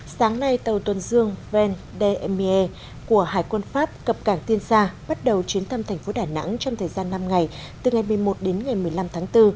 sáng nay tàu tuần dương ven demie của hải quân pháp cập cảng tiên sa bắt đầu chuyến thăm thành phố đà nẵng trong thời gian năm ngày từ ngày một mươi một đến ngày một mươi năm tháng bốn